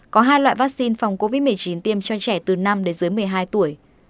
có hai loại vaccine phòng covid một mươi chín tiêm cho trẻ từ năm đến dưới một mươi hai tuổi